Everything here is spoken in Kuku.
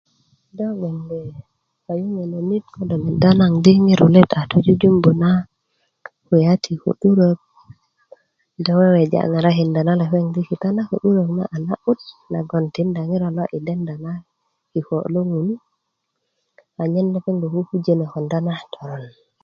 do gnoŋge kayuŋölönit ko do medda naŋ di ŋiro let a tu yi jujumbu na kulya ti ka'durök weweja' ŋarakinda na lopeŋ di kitana na ka'durök na na'but nagoŋ tinda ŋiro lo yi denda na kiko' lo ŋun anyen lepeŋ lokukujönö konda na toron